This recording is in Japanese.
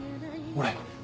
俺。